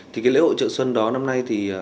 thực ra thì